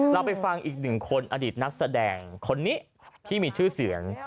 เราไปฟังอีกหนึ่งคนอดีตนักแสดงคนนี้ที่มีชื่อเสียง